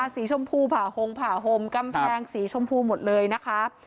สีชมพูผ่าหงผ่าห่มกำแพงสีชมพูหมดเลยนะคะ